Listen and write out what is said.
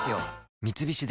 三菱電機